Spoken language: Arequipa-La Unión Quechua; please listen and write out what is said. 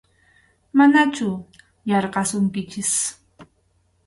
Manachu yarqasunkichik.